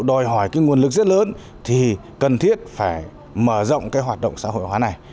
đòi hỏi nguồn lực rất lớn thì cần thiết phải mở rộng hoạt động xã hội hóa này